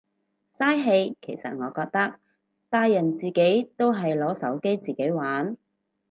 嘥氣其實我覺得，大人自己都係攞手機自己玩。